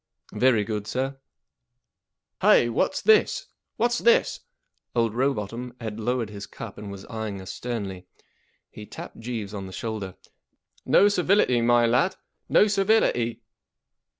1 I Very good, sir/* " Hey ! what's this ? What's this ?" Old Rowbotham had lowered his cup and was eyeing us sternly. He tapped Jeeves on the shoulder. 14 No servility, my lad; no servility